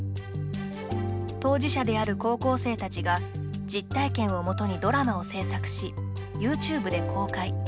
当事者である高校生たちが実体験をもとにドラマを制作しＹｏｕＴｕｂｅで公開。